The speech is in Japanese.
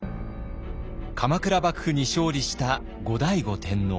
鎌倉幕府に勝利した後醍醐天皇。